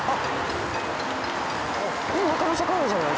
中野坂上じゃない？